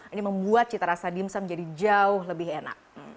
ini membuat cita rasa dimsum jadi jauh lebih enak